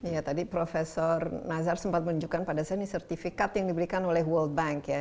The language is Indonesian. ya tadi prof nazar sempat menunjukkan pada saya ini sertifikat yang diberikan oleh world bank ya